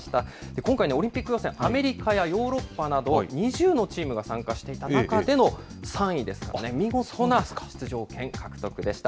今回、オリンピック予選、アメリカやヨーロッパなど２０のチームが参加していた中での３位ですからね、見事な出場権獲得でした。